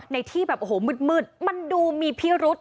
ที่แบบโอ้โหมืดมันดูมีพิรุษ